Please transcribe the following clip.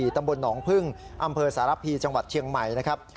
ตำบลหนองพึ่งอำเภอสารพีจังหวัดเชียงใหม่นะครับ